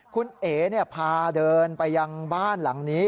คุณเอ๋พาเดินไปยังบ้านหลังนี้